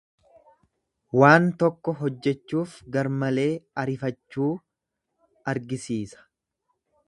Waan tokko hojjechuuf garmalee arifachuu argisiisa.